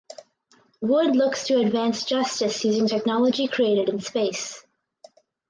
Wood looks to advance justice using technology created in space.